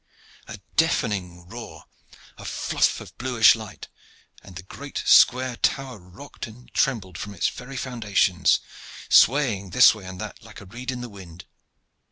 A deafening roar, a fluff of bluish light, and the great square tower rocked and trembled from its very foundations, swaying this way and that like a reed in the wind.